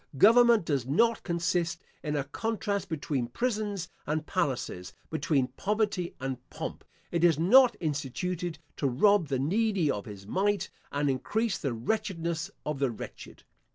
Government does not consist in a contrast between prisons and palaces, between poverty and pomp; it is not instituted to rob the needy of his mite, and increase the wretchedness of the wretched.